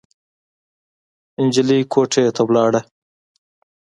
نجلۍ کوټې ته لاړ.